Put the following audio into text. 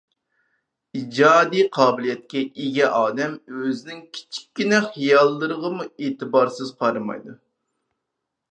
ئىجادىي قابىلىيەتكە ئىگە ئادەم ئۆزىنىڭ كىچىككىنە خىياللىرىغىمۇ ئېتىبارسىز قارىمايدۇ.